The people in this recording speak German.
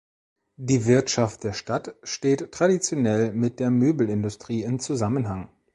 Die Wirtschaft der Stadt steht traditionell mit der Möbelindustrie in Zusammenhang.